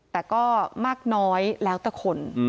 แต่ก็มากน้อยแล้วแต่คน